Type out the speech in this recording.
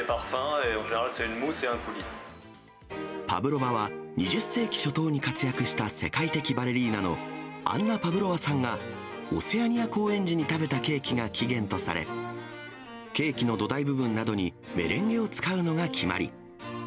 パブロワは２０世紀に活躍した世界的バレリーナのアンナ・パブロワさんが、オセアニア公演時に食べたケーキが起源とされ、ケーキの土台部分などにメレンゲを使うのが決まり。